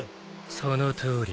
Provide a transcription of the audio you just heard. そのとおり。